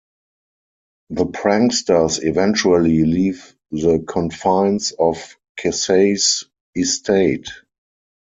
The Pranksters eventually leave the confines of Kesey's estate.